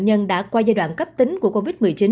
nhân đã qua giai đoạn cấp tính của covid một mươi chín